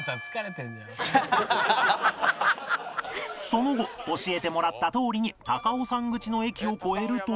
その後教えてもらったとおりに高尾山口の駅を越えると